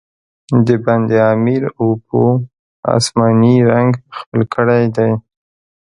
د بند امیر اوبو، آسماني رنګ خپل کړی دی.